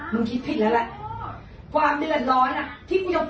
กูจะเอามือให้มึงเหลือที่ยืนเลยนะ